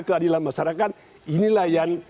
keadilan masyarakat inilah yang